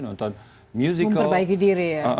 nonton musical memperbaiki diri